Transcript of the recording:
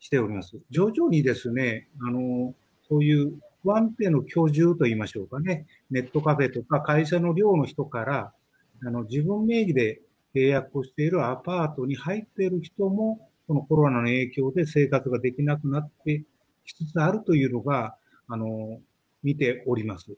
徐々にですねこういう不安定な居住といいましょうかねネットカフェとか会社の寮の人から自分名義で契約をしているアパートに入ってる人もこのコロナの影響で生活ができなくなってきつつあるというのが見ております。